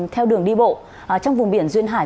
theo đường đi bộ trong vùng biển duyên hải